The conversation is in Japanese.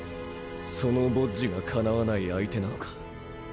そのボッジがかなわない相手なのか？